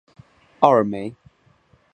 奥尔梅。